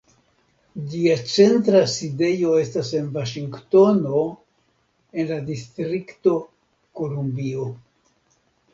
Ĝia centra sidejo estas en Vaŝingtono, en la Distrikto Kolumbio.